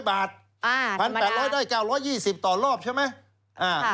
อ้าวธรรมดา๑๘๐๐ได้๙๒๐ต่อรอบใช่ไหม